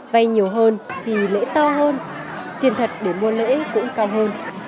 vay nhiều hơn thì lễ to hơn tiền thật để mua lễ cũng cao hơn